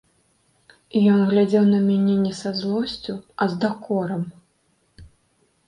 Ён глядзеў на мяне не са злосцю, а з дакорам.